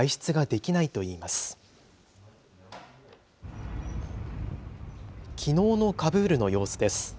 きのうのカブールの様子です。